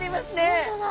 本当だ。